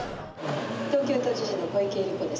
東京都知事の小池百合子です。